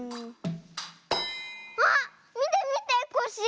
あっみてみてコッシー。